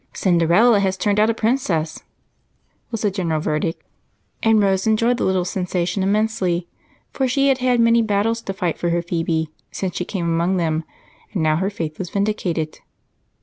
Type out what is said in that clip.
"Cinderella has turned out a princess," was the general verdict, and Rose enjoyed the little sensation immensely, for she had had many battles to fight for her Phebe since she came among them, and now her faith was vindicated.